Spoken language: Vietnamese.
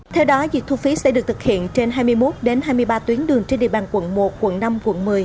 theo đó dịch thu phí sẽ được thực hiện trên hai mươi một hai mươi ba tuyến đường trên địa bàn quận một quận năm quận một mươi